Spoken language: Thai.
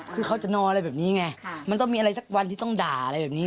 คือเขาจะนอนอะไรแบบนี้ไงมันต้องมีอะไรสักวันที่ต้องด่าอะไรแบบนี้